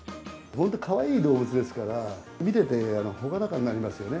本当、かわいい動物ですから、見ていて朗らかになりますよね。